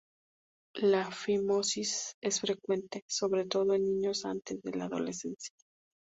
La fimosis es frecuente, sobre todo en niños, antes de la adolescencia.